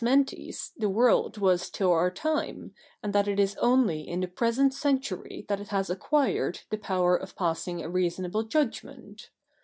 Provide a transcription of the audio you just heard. ientis the world was till our time, and that it is only in the present century that it has acquired the power of passing a reasonable judgment.